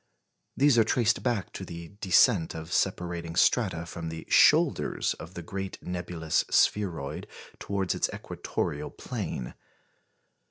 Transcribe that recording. These are traced back to the descent of separating strata from the shoulders of the great nebulous spheroid towards its equatorial plane.